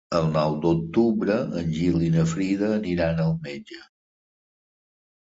El nou d'octubre en Gil i na Frida aniran al metge.